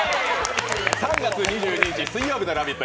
３月２２日水曜日の「ラヴィット！」